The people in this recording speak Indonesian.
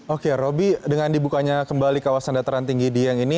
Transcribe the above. oke roby dengan dibukanya kembali kawasan dataran tinggi dieng ini